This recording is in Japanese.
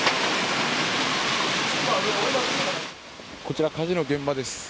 こちら火事の現場です。